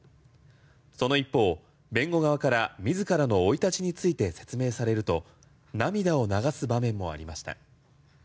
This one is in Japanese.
その一方、弁護側から自らの生い立ちについて説明されると涙を流す場面もありました。